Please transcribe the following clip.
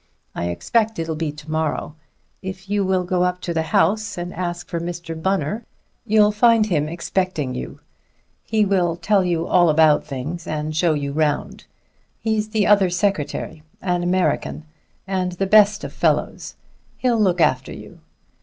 I expect it'll be to morrow. If you will go up to the house and ask for Mr. Bunner, you'll find him expecting you; he will tell you all about things and show you round. He's the other secretary; an American, and the best of fellows; he'll look after you.